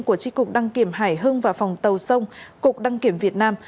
của tri cục đăng kiểm hải hưng và phòng tàu sông cục đăng kiểm việt nam